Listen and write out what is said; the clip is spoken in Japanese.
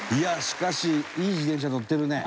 しかしいい自転車、乗ってるね。